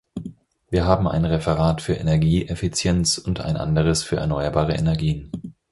Wir haben ein Referat für Energieeffizienz und ein anderes für erneuerbare Energien.